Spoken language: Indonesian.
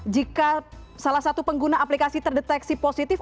jika salah satu pengguna aplikasi terdeteksi positif